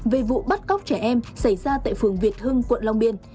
về vụ bắt cóc trẻ em xảy ra tại phường việt hưng quận long biên